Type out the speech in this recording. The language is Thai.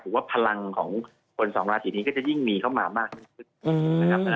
ผมว่าพลังของคนสองราศีนี้ก็จะยิ่งมีเข้ามามากยิ่งขึ้นนะครับ